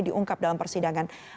diungkap dalam persidangan